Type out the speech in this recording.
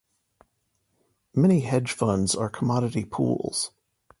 Many hedge funds are commodity pools.